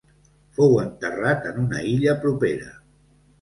Fou enterrat en una illa propera.